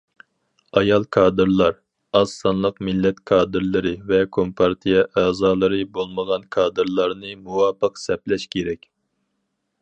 ئايال كادىرلار، ئاز سانلىق مىللەت كادىرلىرى ۋە كومپارتىيە ئەزالىرى بولمىغان كادىرلارنى مۇۋاپىق سەپلەش كېرەك.